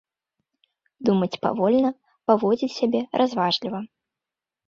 Думаць павольна, паводзіць сябе разважліва.